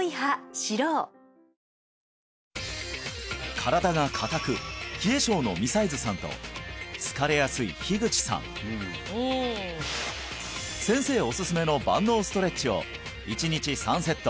身体が硬く冷え症の美細津さんと疲れやすい樋口さん先生おすすめの万能ストレッチを１日３セット